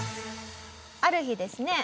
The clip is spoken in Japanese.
ある日ですね